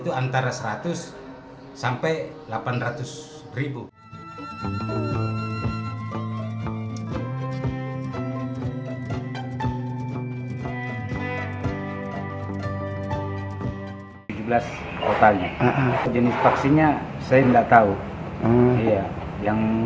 kalau mau tidur